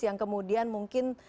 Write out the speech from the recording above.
yang kemudian mungkin